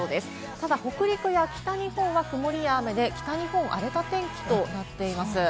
ただ北陸や北日本は曇りや雨で、北日本、荒れた天気となっています。